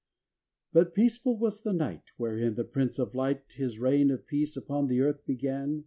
V But peaceful was the night Wherein the Prince of Light His reign of peace upon the earth began.